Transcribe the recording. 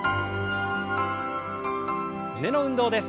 胸の運動です。